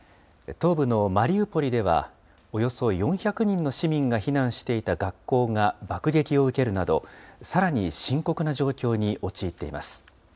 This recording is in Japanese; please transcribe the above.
東部のマリウポリでは、およそ４００人の市民が避難していた学校が爆撃を受けるなど、さらに深刻な状況に陥っています。